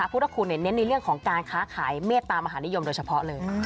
พุทธคุณเน้นในเรื่องของการค้าขายเมตตามหานิยมโดยเฉพาะเลย